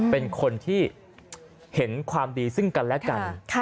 เป็นคนที่เห็นความดีซึ่งกันและกัน